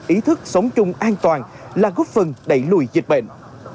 ý thức sống chung an toàn là góp phần đẩy lùi dịch bệnh